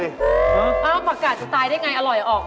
อ้าวผักกัดจะตายได้ไงอร่อยออก